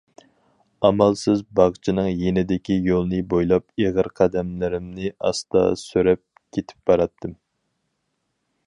ئامالسىز باغچىنىڭ يېنىدىكى يولنى بويلاپ ئېغىر قەدەملىرىمنى ئاستا سۆرەپ كېتىپ باراتتىم.